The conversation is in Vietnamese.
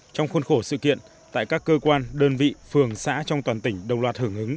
trong khuôn khổ sự kiện tại các cơ quan đơn vị phường xã trong toàn tỉnh đồng loạt hưởng ứng